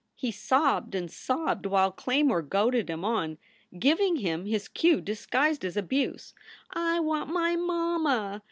He sobbed and sobbed while Claymore goaded him on, giving him his cue disguised as abuse, "I want my mamma!